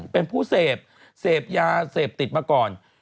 เป็นผู้เสพเสพยาเสพติดมาก่อน